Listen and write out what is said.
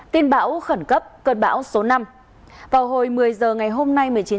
tin báo khẩn cố của bộ quốc phòng và bảy tàu cá của ngư dân vẫn tiếp tục mở rộng khu vực tìm kiếm